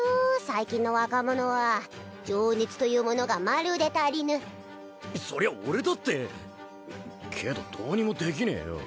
最近の若者は情熱というものがまるで足りぬそりゃ俺だってけどどうにもできねえよ